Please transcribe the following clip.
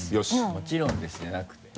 「もちろんです」じゃなくて。